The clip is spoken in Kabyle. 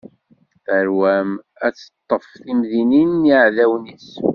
Tarwa-m ad teṭṭef timdinin n yiɛdawen-is!